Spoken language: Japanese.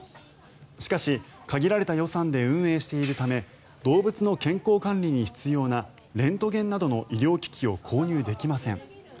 しかし、限られた予算で運営しているため動物の健康管理に必要なレントゲンなどの医療機器を購入できません。